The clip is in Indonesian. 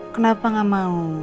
kenapa gak mau